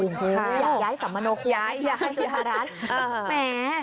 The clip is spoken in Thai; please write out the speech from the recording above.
อยากย้ายสามโมโนควิวอยากย้ายจุธรรรณ